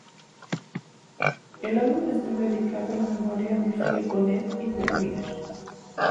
El álbum está dedicado a la memoria de Phil Bonnet y Beth Miller.